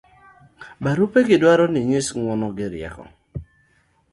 barupe gi dwaro ni inyis ng'uono gi rieko